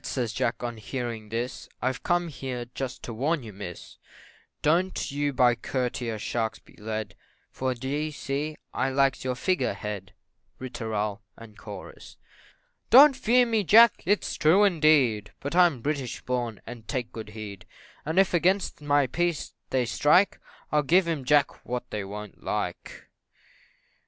says Jack on hearing this, "I've come here just to warn you, Miss, Don't you by courtier sharks be led For, d'ye see, I likes your Figure Head Ri tooral, &c. "Don't fear me, Jack it's true, indeed, but I'm British born, and take good heed; And if against my peace they strike, I'll give 'em, Jack, what they wo'n't like."